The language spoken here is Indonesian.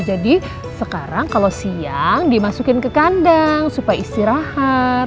jadi sekarang kalau siang dimasukin ke kandang supaya istirahat